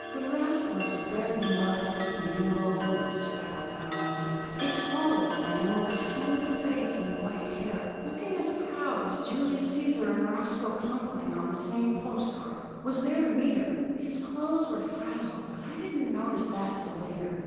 The rest was red mud, mules, and speckled hounds. "A tall old man, with a smooth face and white hair, looking as proud as Julius Cæsar and Roscoe Conkling on the same post card, was there to meet her. His clothes were frazzled, but I didn't notice that till later.